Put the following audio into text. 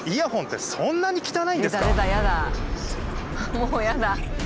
もう嫌だ。